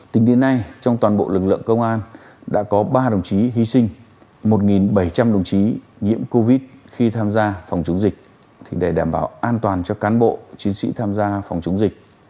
tính đến nay trong toàn bộ lực lượng công an đã có ba đồng chí hy sinh một bảy trăm linh đồng chí nhiễm covid khi tham gia phòng chống dịch để đảm bảo an toàn cho cán bộ chiến sĩ tham gia phòng chống dịch